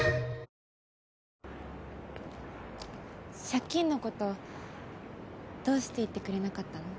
借金の事どうして言ってくれなかったの？